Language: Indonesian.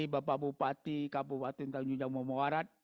bapak bupati kabupaten tanjung jambu mawarat